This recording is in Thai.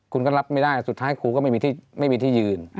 คุณก็รับไม่ได้สุดท้ายครูก็ไม่มีที่ยืน